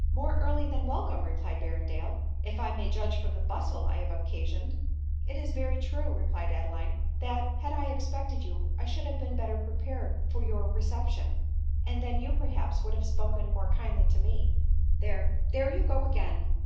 " More early than welcome, " replied Berrendale," if I may judge from the bustle I have occasioned." " It is very true," replied Adeline, " that, had I expect ed you, I should have been better prepared for your re* T^^^i ADELINE MOWBRAY. 229 caption; and then you, perhaps, would have spoken more kindly to roe." " There* — there you go again.